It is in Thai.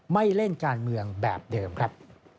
ไม่เล่นการเมืองแบบเดิมครับ